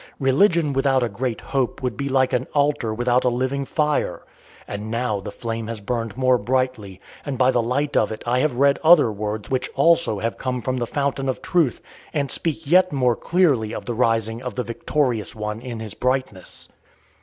Religion without a great hope would be like an altar without a living fire. And now the flame has burned more brightly, and by the light of it I have read other words which also have come from the fountain of Truth, and speak yet more clearly of the rising of the Victorious One in his brightness."